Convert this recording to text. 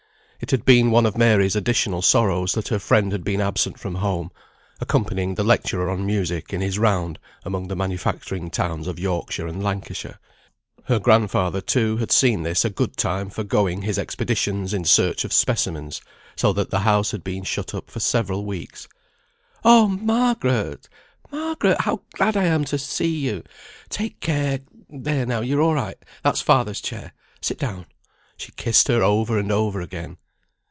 It had been one of Mary's additional sorrows that her friend had been absent from home, accompanying the lecturer on music in his round among the manufacturing towns of Yorkshire and Lancashire. Her grandfather, too, had seen this a good time for going his expeditions in search of specimens; so that the house had been shut up for several weeks. "Oh! Margaret, Margaret! how glad I am to see you. Take care. There, now, you're all right, that's father's chair. Sit down." She kissed her over and over again.